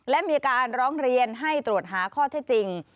และมีการร้องเรียนให้ตรวจหาข้อเท็จจริง